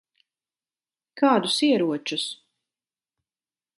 Kādus ieročus?